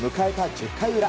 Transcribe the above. １０回裏。